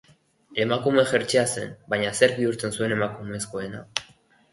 Emakume-jertsea zen, baina zerk bihurtzen zuen emakumezkoena?